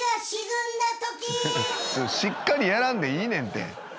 しっかりやらんでいいねんって。